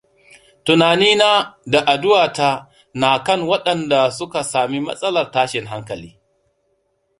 Tunani na da addu'a ta na kan waɗanda suka sami matsalar tashin hankali.